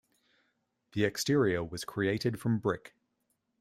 The exterior was created from brick.